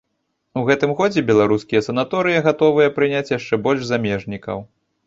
У гэтым годзе беларускія санаторыі гатовыя прыняць яшчэ больш замежнікаў.